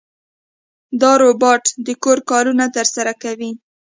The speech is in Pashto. دا روبوټ د کور کارونه ترسره کوي.